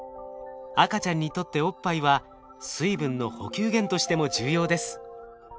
赤ちゃんにとっておっぱいは水分の補給源としても重要です。